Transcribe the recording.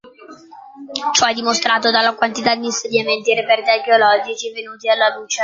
Ciò è dimostrato dalla quantità di insediamenti e reperti archeologici venuti alla luce.